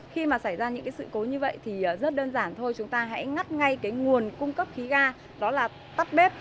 khi mà xảy ra những cái sự cố như vậy thì rất đơn giản thôi chúng ta hãy ngắt ngay cái nguồn cung cấp khí ga đó là tắt bếp